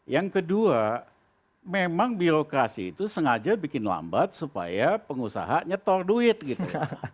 yang kedua memang birokrasi itu sengaja bikin lambat supaya pengusaha nyetor duit gitu